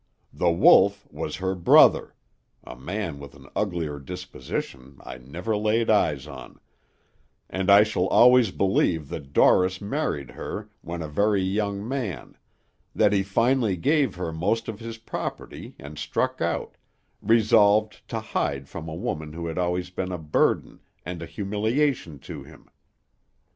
The Wolf was her brother (a man with an uglier disposition I never laid eyes on), and I shall always believe that Dorris married her when a very young man; that he finally gave her most of his property and struck out, resolved to hide from a woman who had always been a burden and a humiliation to him.